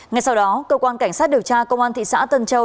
ngay sau đó cơ quan cảnh sát điều tra công an thị xã tân châu